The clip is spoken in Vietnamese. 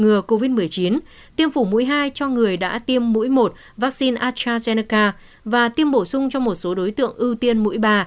ngừa covid một mươi chín tiêm chủng mũi hai cho người đã tiêm mũi một vaccine astrazeneca và tiêm bổ sung cho một số đối tượng ưu tiên mũi ba